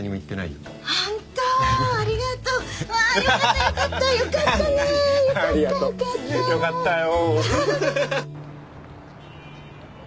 よかったよ。